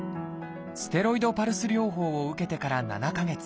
ステロイドパルス療法を受けてから７か月。